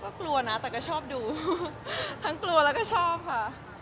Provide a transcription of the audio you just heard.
ก็กลัวนะแต่ก็ชอบดูทั้งกลัวแล้วก็ชอบค่ะ